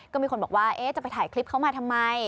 ก็มีคนบอกว่าจะไปถ่ายคลิปเขามาทำไม